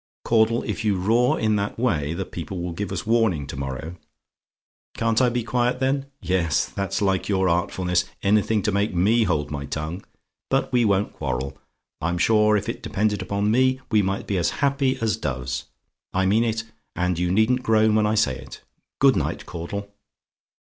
"Caudle, if you roar in that way, the people will give us warning to morrow. "CAN'T I BE QUIET, THEN? "Yes that's like your artfulness: anything to make me hold my tongue. But we won't quarrel. I'm sure if it depended upon me, we might be as happy as doves. I mean it and you needn't groan when I say it. Good night, Caudle.